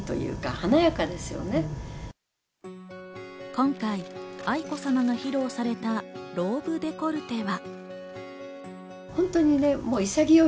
今回、愛子さまが披露されたローブデコルテは。